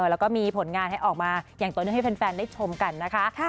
แล้วก็มีผลงานให้ออกมาอย่างต่อเนื่องให้แฟนได้ชมกันนะคะ